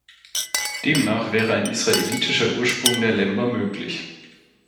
Demnach wäre ein israelitischer Ursprung der Lemba möglich.